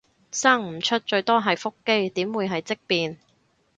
生唔出最多係腹肌，點會係積便